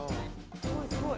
すごいすごい。